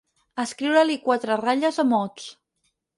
Escriure-li quatre ratlles o mots.